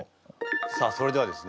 さあそれではですね